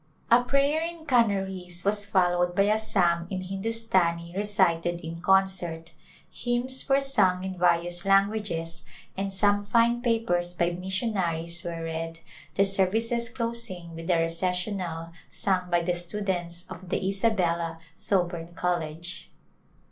A prayer in Canarese was followed by a Psalm in Hindustani recited in concert j hymns were [34S] Return to India sung in various languages, and some fine papers by missionaries were read, the services closing with the Recessional sung by the students of the Isabella Tho burn College.